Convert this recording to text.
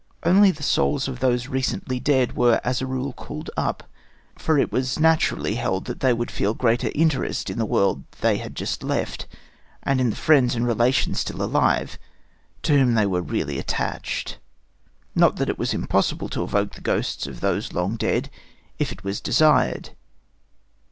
Only the souls of those recently dead were, as a rule, called up, for it was naturally held that they would feel greater interest in the world they had just left, and in the friends and relations still alive, to whom they were really attached. Not that it was impossible to evoke the ghosts of those long dead, if it was desired.